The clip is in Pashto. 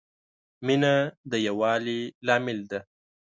مینه د یووالي لامل ده.